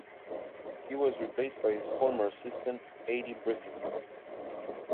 He was replaced by his former assistant Adie Britton.